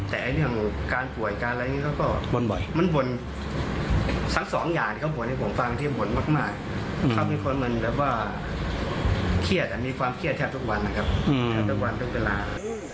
แต่การป่วยการอะไรมันบ่นสัก๒อย่างให้ผมฟังที่บ่นมากมีความเครียดแทบทุกวัน